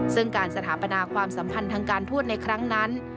ซึ่งการสถาปนาความสัมพันธ์ทางการทูตในครั้งนั้น